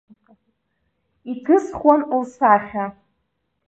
Иҭысхуан лсахьа.